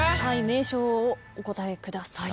名称をお答えください。